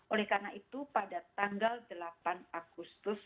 oleh karena itu pada tanggal delapan agustus